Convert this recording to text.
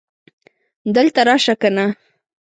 دلته راشه کنه